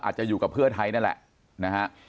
อาจจะอยู่กับเพื่อไทยนั่นแหละนะฮะ